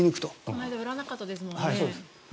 この間売らなかったですもんね。